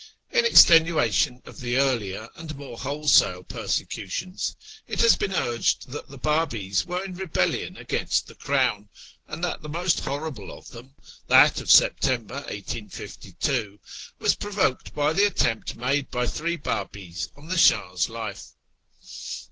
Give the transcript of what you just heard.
In extenuation of the earlier and more wholesale persecu tions, it has been urged that the Babis were in rebellion against the Crown, and that the most horrible of them, that of September 1852, was provoked by the attempt made by three Babis on the Shah's life.